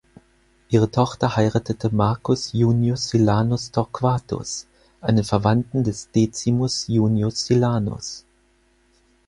Ihre Tochter heiratete Marcus Iunius Silanus Torquatus, einen Verwandten des Decimus Iunius Silanus.